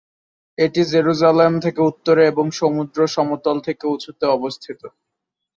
এটি জেরুজালেম থেকে উত্তরে এবং সমুদ্র সমতল থেকে উচুতে অবস্থিত।